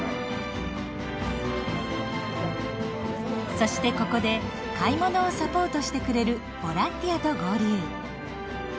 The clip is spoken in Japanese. そしてここで買い物をサポートしてくれるボランティアと合流。